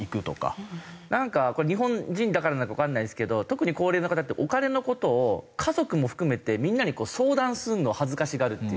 なんかこれ日本人だからなのかわからないですけど特に高齢の方ってお金の事を家族も含めてみんなに相談するのを恥ずかしがるっていうか。